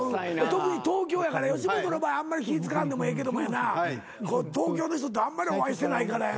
特に東京やから吉本の場合あんまり気使わんでもええけどもやな東京の人ってあんまりお会いしてないからやな。